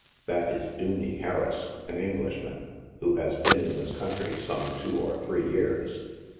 That is "Dooney" Harris, an Englishman, who has been in this country some two or three years.